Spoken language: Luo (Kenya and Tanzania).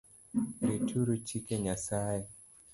Rituru chike Nyasaye